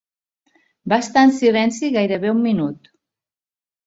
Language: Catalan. Va estar en silenci gairebé un minut.